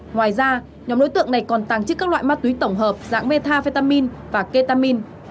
ngoài ra nhóm đối tượng này còn tàng trữ các loại ma túy tổng hợp dạng metafetamin và ketamin